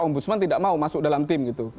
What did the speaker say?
om busman tidak mau masuk dalam tim